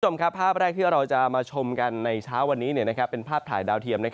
คุณผู้ชมครับภาพแรกที่เราจะมาชมกันในเช้าวันนี้เป็นภาพถ่ายดาวเทียม